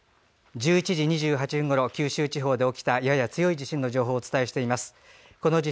１１時２８分ごろ九州地方で起きたやや強い地震の情報です。